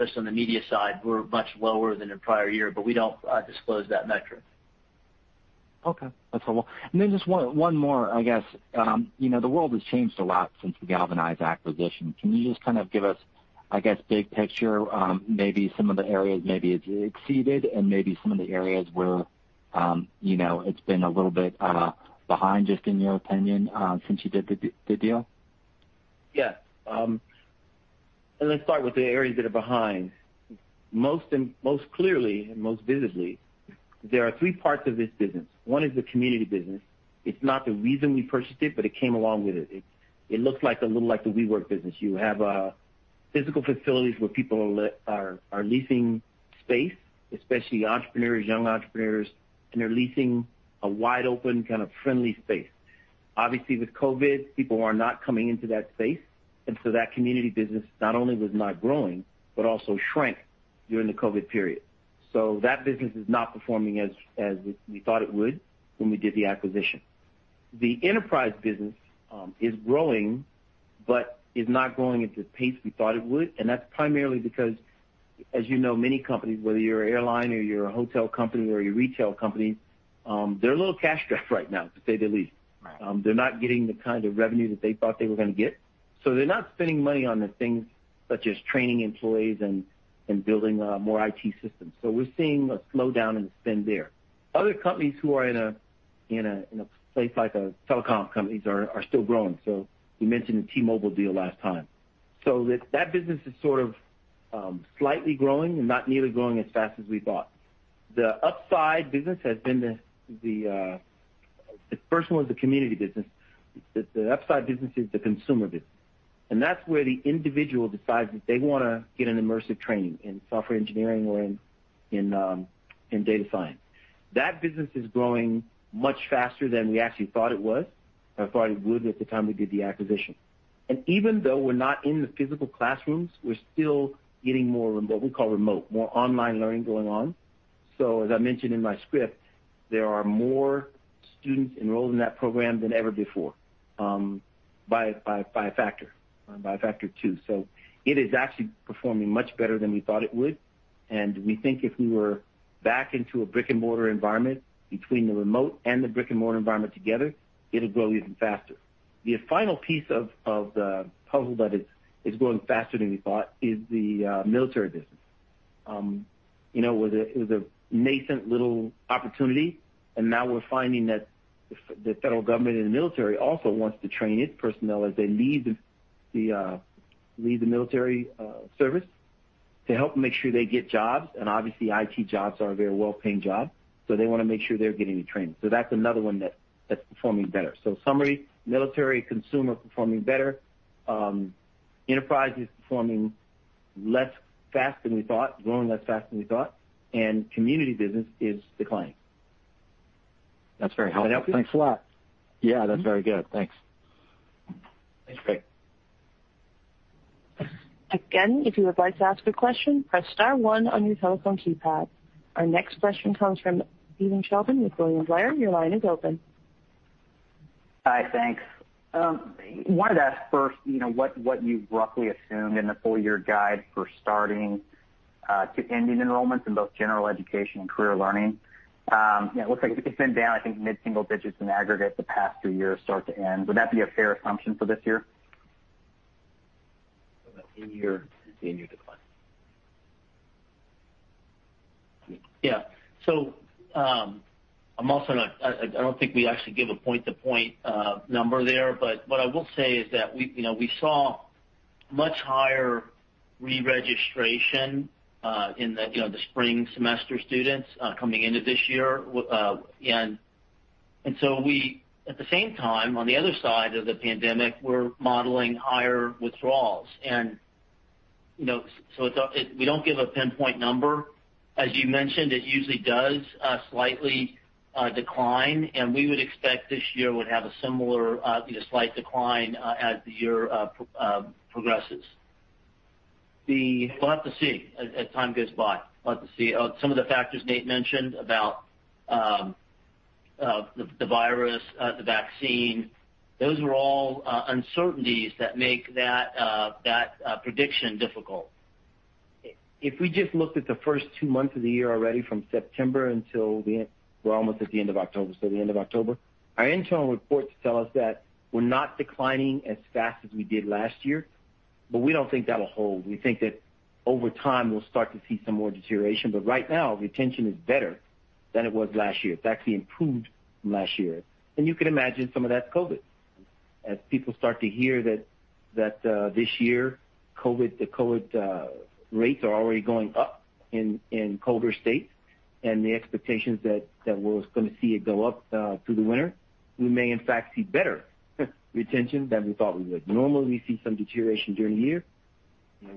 especially on the media side, were much lower than the prior year, but we don't disclose that metric. Okay. That's all. Then just one more, I guess. The world has changed a lot since the Galvanize acquisition. Can you just kind of give us, I guess, big picture, maybe some of the areas maybe it's exceeded and maybe some of the areas where it's been a little bit behind, just in your opinion, since you did the deal? Yeah. Let's start with the areas that are behind. Most clearly and most visibly, there are three parts of this business. One is the community business. It's not the reason we purchased it, but it came along with it. It looks a little like the WeWork business. You have physical facilities where people are leasing space, especially entrepreneurs, young entrepreneurs, and they're leasing a wide-open kind of friendly space. Obviously, with COVID, people are not coming into that space, that community business not only was not growing, but also shrank during the COVID period. That business is not performing as we thought it would when we did the acquisition. The enterprise business is growing but is not growing at the pace we thought it would, and that's primarily because, as you know, many companies, whether you're an airline or you're a hotel company or you're a retail company, they're a little cash-strapped right now, to say the least. Right. They're not getting the kind of revenue that they thought they were going to get. They're not spending money on the things such as training employees and building more IT systems. We're seeing a slowdown in spend there. Other companies who are in a place like telecom companies are still growing. You mentioned the T-Mobile deal last time. That business is sort of slightly growing and not nearly growing as fast as we thought. The upside business has been The first one was the community business. The upside business is the consumer business, and that's where the individual decides that they want to get an immersive training in software engineering or in data science. That business is growing much faster than we actually thought it was, or thought it would at the time we did the acquisition. Even though we're not in the physical classrooms, we're still getting more of what we call remote, more online learning going on. As I mentioned in my script, there are more students enrolled in that program than ever before, by a factor two. It is actually performing much better than we thought it would, and we think if we were back into a brick-and-mortar environment, between the remote and the brick-and-mortar environment together, it'll grow even faster. The final piece of the puzzle that is growing faster than we thought is the military business. It was a nascent little opportunity. Now we're finding that the federal government and the military also wants to train its personnel as they leave the military service to help make sure they get jobs. Obviously, IT jobs are a very well-paying job, they want to make sure they're getting the training. That's another one that's performing better. In summary, military consumer performing better. Enterprise is performing less fast than we thought, growing less fast than we thought. Community business is declining. That's very helpful. Thanks a lot. Yeah, that's very good. Thanks. Thanks, Greg. Again, if you would like to ask a question, press star one on your telephone keypad. Our next question comes from Stephen Sheldon with William Blair. Your line is open. Hi. Thanks. Wanted to ask first what you roughly assumed in the full year guide for starting to ending enrollments in both General Education and Career Learning. Yeah, it looks like it's been down, I think, mid-single digits in aggregate the past two years start to end. Would that be a fair assumption for this year? In year to in year decline. Yeah. I don't think we actually give a point-to-point number there. What I will say is that we saw much higher re-registration in the spring semester students coming into this year. At the same time, on the other side of the pandemic, we're modeling higher withdrawals. We don't give a pinpoint number. As you mentioned, it usually does slightly decline, and we would expect this year would have a similar slight decline as the year progresses. We'll have to see as time goes by. We'll have to see. Some of the factors Nate mentioned about the virus, the vaccine, those are all uncertainties that make that prediction difficult. If we just looked at the first two months of the year already from September until, we're almost at the end of October, so the end of October, our internal reports tell us that we're not declining as fast as we did last year. We don't think that'll hold. We think that over time, we'll start to see some more deterioration. Right now, retention is better than it was last year. It's actually improved from last year. You can imagine some of that's COVID-19. As people start to hear that this year, the COVID-19 rates are already going up in colder states, the expectations that we're going to see it go up through the winter. We may, in fact, see better retention than we thought we would. Normally, we see some deterioration during the year.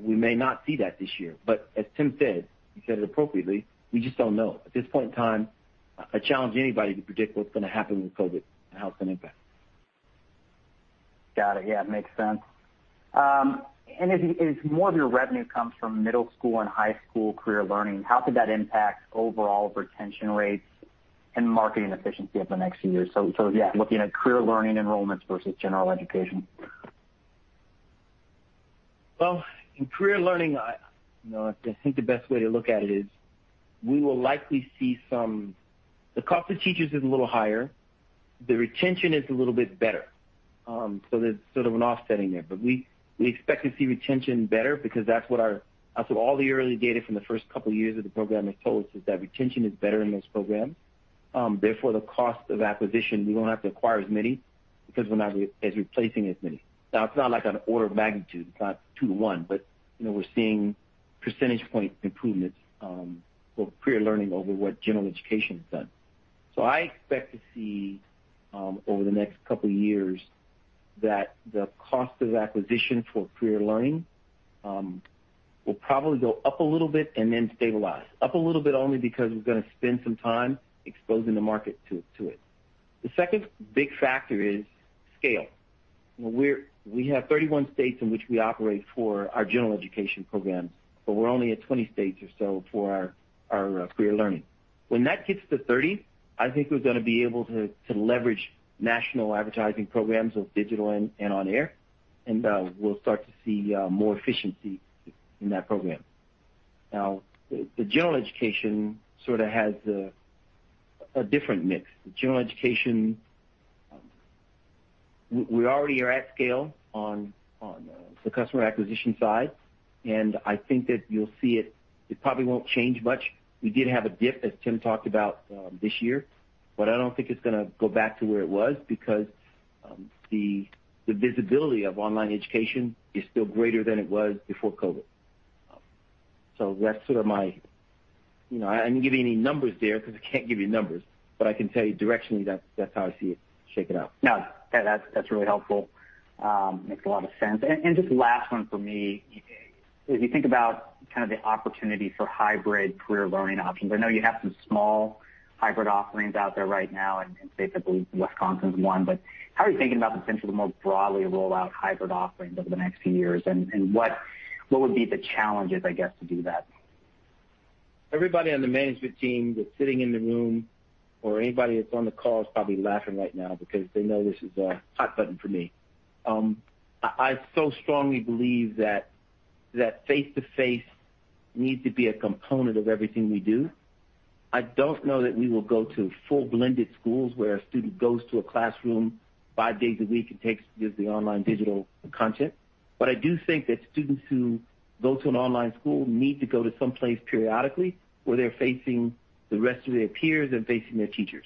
We may not see that this year. As Tim said, he said it appropriately, we just don't know. At this point in time, I challenge anybody to predict what's going to happen with COVID and how it's going to impact. Got it. Yeah, makes sense. As more of your revenue comes from middle school and high school Career Learning, how could that impact overall retention rates and marketing efficiency over the next few years? Looking at Career Learning enrollments versus General Education. In Career Learning, I think the best way to look at it is we will likely see the cost of teachers is a little higher. The retention is a little bit better. There's sort of an offsetting there. We expect to see retention better because that's what all the early data from the first couple of years of the program has told us, is that retention is better in those programs. Therefore, the cost of acquisition, we won't have to acquire as many because we're not replacing as many. It's not like an order of magnitude. It's not 2:1, but we're seeing percentage point improvements for Career Learning over what General Education has done. I expect to see, over the next couple of years, that the cost of acquisition for Career Learning will probably go up a little bit and then stabilize. Up a little bit only because we're going to spend some time exposing the market to it. The second big factor is scale. We have 31 states in which we operate for our General Education programs, but we're only at 20 states or so for our Career Learning. When that gets to 30, I think we're going to be able to leverage national advertising programs, both digital and on air, and we'll start to see more efficiency in that program. The General Education sort of has a different mix. The General Education, we already are at scale on the customer acquisition side, and I think that you'll see it probably won't change much. We did have a dip, as Tim talked about, this year, but I don't think it's going to go back to where it was because the visibility of online education is still greater than it was before COVID. I didn't give you any numbers there because I can't give you numbers. I can tell you directionally, that's how I see it shaking out. No. That's really helpful. Makes a lot of sense. Just last one for me. As you think about the opportunity for hybrid Career Learning options, I know you have some small hybrid offerings out there right now in states, I believe Wisconsin's one, but how are you thinking about the potential to more broadly roll out hybrid offerings over the next few years? What would be the challenges, I guess, to do that? Everybody on the management team that's sitting in the room or anybody that's on the call is probably laughing right now because they know this is a hot button for me. I so strongly believe that face-to-face needs to be a component of everything we do. I don't know that we will go to full blended schools where a student goes to a classroom five days a week and takes the online digital content. I do think that students who go to an online school need to go to some place periodically where they're facing the rest of their peers and facing their teachers.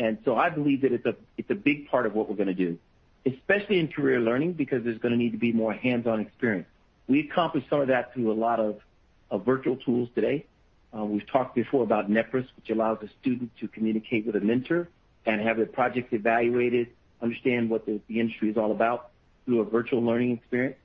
I believe that it's a big part of what we're going to do, especially in Career Learning, because there's going to need to be more hands-on experience. We accomplished some of that through a lot of virtual tools today. We've talked before about Nepris, which allows a student to communicate with a mentor and have their project evaluated, understand what the industry is all about through a virtual learning experience.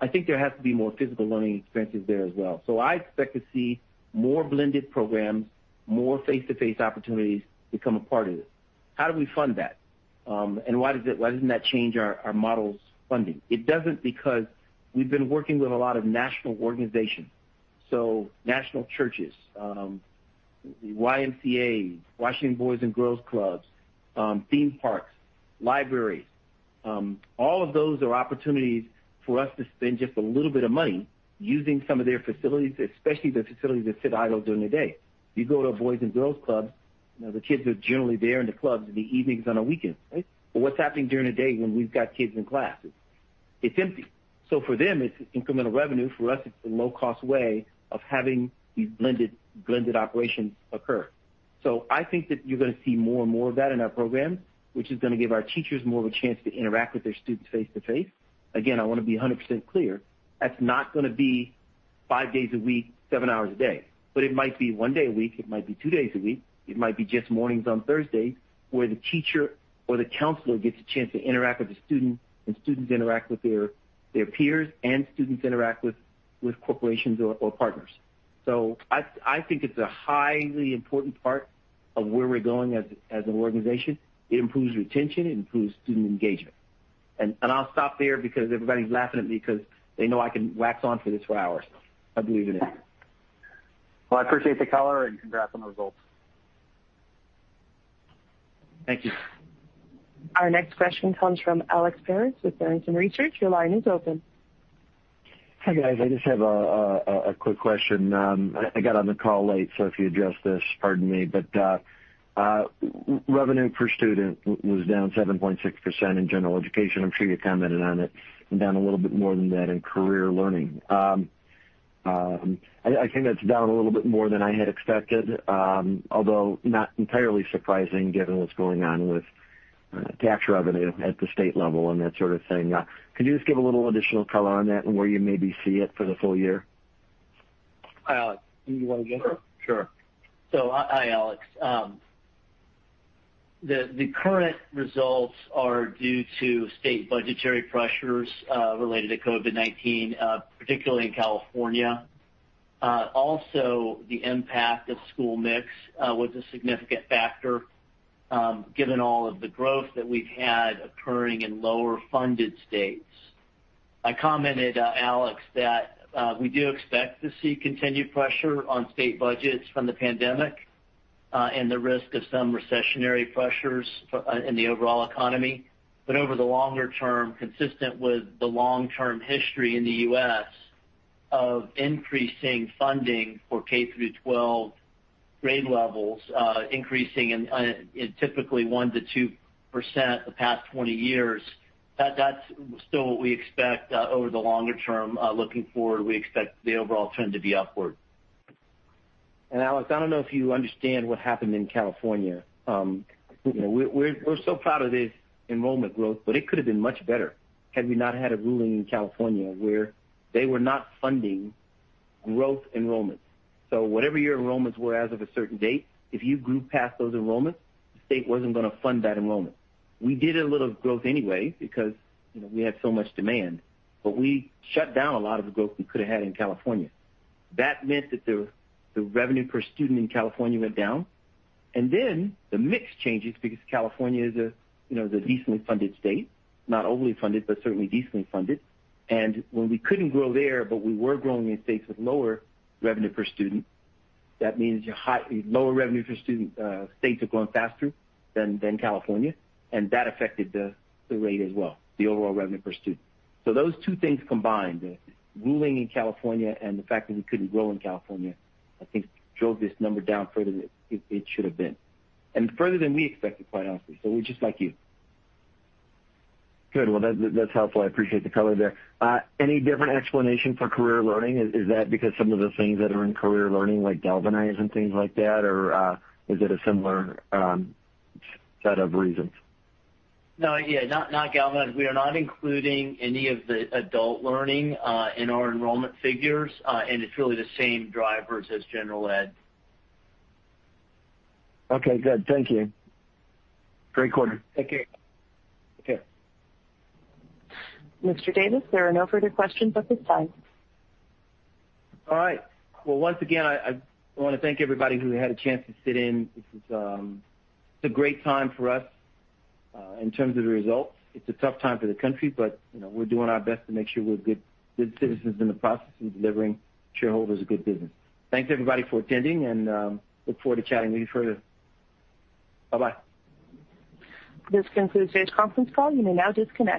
I think there has to be more physical learning experiences there as well. I expect to see more blended programs, more face-to-face opportunities become a part of this. How do we fund that? Why doesn't that change our model's funding? It doesn't because we've been working with a lot of national organizations. National churches, the YMCA, Washington Boys & Girls Clubs, theme parks, libraries. All of those are opportunities for us to spend just a little bit of money using some of their facilities, especially the facilities that sit idle during the day. You go to a Boys & Girls Club, the kids are generally there in the clubs in the evenings on a weekend, right? What's happening during the day when we've got kids in classes? It's empty. For them, it's incremental revenue. For us, it's a low-cost way of having these blended operations occur. I think that you're going to see more and more of that in our programs, which is going to give our teachers more of a chance to interact with their students face to face. Again, I want to be 100% clear, that's not going to be five days a week, seven hours a day. It might be one day a week, it might be two days a week, it might be just mornings on Thursdays where the teacher or the counselor gets a chance to interact with the student, and students interact with their peers, and students interact with corporations or partners. I think it's a highly important part of where we're going as an organization. It improves retention. It improves student engagement. I'll stop there because everybody's laughing at me because they know I can wax on for this for hours. I believe in it. Well, I appreciate the color and congrats on the results. Thank you. Our next question comes from Alex Paris with Barrington Research. Your line is open. Hi, guys. I just have a quick question. I got on the call late, so if you addressed this, pardon me. Revenue per student was down 7.6% in General Education. I'm sure you commented on it, and down a little bit more than that in Career Learning. I think that's down a little bit more than I had expected, although not entirely surprising given what's going on with tax revenue at the state level and that sort of thing. Could you just give a little additional color on that and where you maybe see it for the full year? Tim do you want to get this? Sure. Hi, Alex. The current results are due to state budgetary pressures related to COVID-19, particularly in California. The impact of school mix was a significant factor given all of the growth that we've had occurring in lower funded states. I commented, Alex, that we do expect to see continued pressure on state budgets from the pandemic, and the risk of some recessionary pressures in the overall economy. Over the longer term, consistent with the long-term history in the U.S. of increasing funding for K-12 grade levels, increasing in typically 1%-2% the past 20 years, that's still what we expect over the longer term. Looking forward, we expect the overall trend to be upward. Alex, I don't know if you understand what happened in California. We're so proud of this enrollment growth, but it could have been much better had we not had a ruling in California where they were not funding growth enrollments. Whatever your enrollments were as of a certain date, if you grew past those enrollments, the state wasn't going to fund that enrollment. We did a little growth anyway because we had so much demand, but we shut down a lot of the growth we could have had in California. That meant that the revenue per student in California went down. Then the mix changes because California is a decently funded state, not overly funded, but certainly decently funded. When we couldn't grow there, but we were growing in states with lower revenue per student, that means lower revenue per student states are growing faster than California. That affected the rate as well, the overall revenue per student. Those two things combined, the ruling in California and the fact that we couldn't grow in California, I think drove this number down further than it should have been. Further than we expected, quite honestly. We're just like you. Good. Well, that's helpful. I appreciate the color there. Any different explanation for Career Learning? Is that because some of the things that are in Career Learning, like Galvanize and things like that? Or is it a similar set of reasons? No. Not Galvanize. We are not including any of the Adult Learning in our enrollment figures. It's really the same drivers as General Ed. Okay, good. Thank you. Great quarter. Take care. Take care. Mr. Davis, there are no further questions at this time. All right. Well, once again, I want to thank everybody who had a chance to sit in. This is a great time for us in terms of the results. It's a tough time for the country, but we're doing our best to make sure we're good citizens in the process and delivering shareholders a good business. Thanks, everybody, for attending, and look forward to chatting with you further. Bye-bye. This concludes today's conference call. You may now disconnect.